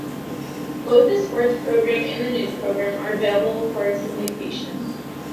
Both the Sports program and the News Program are available for syndication.